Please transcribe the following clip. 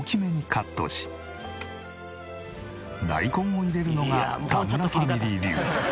大根を入れるのが田村ファミリー流。